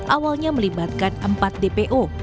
awalnya melibatkan empat dpo